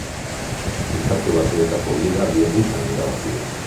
Estatu Batuetako liga birritan irabazi du.